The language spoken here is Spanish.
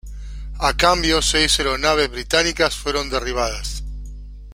A cambio seis aeronaves británicas fueron derribadas.